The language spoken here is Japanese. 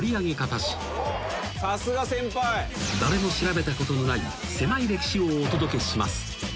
［誰も調べたことのない狭い歴史をお届けします］